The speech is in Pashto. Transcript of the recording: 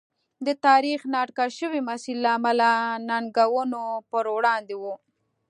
د تاریخ نااټکل شوي مسیر له امله ننګونو پر وړاندې و.